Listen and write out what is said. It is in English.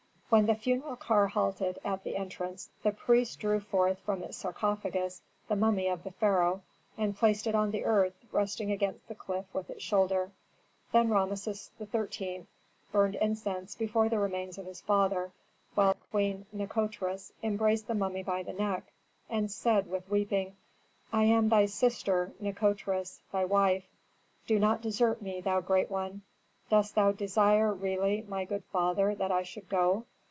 When the funeral car halted at the entrance the priests drew forth from its sarcophagus the mummy of the pharaoh, and placed it on the earth resting against the cliff with its shoulder. Then Rameses XIII. burned incense before the remains of his father, while Queen Nikotris embraced the mummy by the neck, and said with weeping, "I am thy sister, Nikotris, thy wife; do not desert me, thou great one! Dost thou desire really, my good father, that I should go?